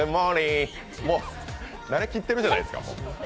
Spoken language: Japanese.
もう慣れきってるじゃないですか。